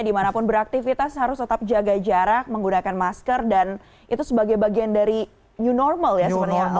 di mana pun beraktivitas harus tetap jaga jarak menggunakan masker dan itu sebagai bagian dari new normal ya sebenarnya alvian ya